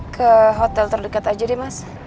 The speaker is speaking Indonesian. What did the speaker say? ke hotel terdekat aja deh mas